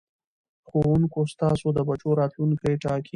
ښوونکو ستاسو د بچو راتلوونکی ټاکي.